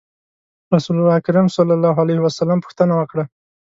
رسول اکرم صلی الله علیه وسلم پوښتنه وکړه.